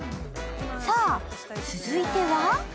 さあ、続いては？